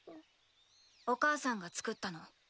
お母さんが作ったの。